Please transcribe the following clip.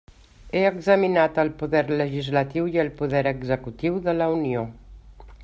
He examinat el poder legislatiu i el poder executiu de la Unió.